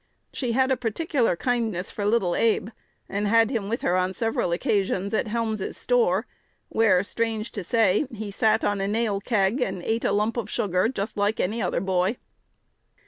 She had a particular kindness for little Abe, and had him with her on several occasions at Helm's store, where, strange to say, he sat on a nail keg, and ate a lump of sugar, "just like any other boy."